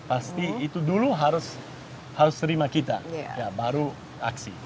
pasti itu dulu harus terima kita baru aksi